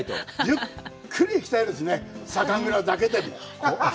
ゆっくり行きたいですね、酒蔵だけでも。